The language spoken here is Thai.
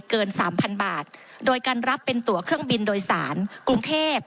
เกินสามพันบาทโดยการรับเป็นตัวเครื่องบินโดยสารกรุงเทพ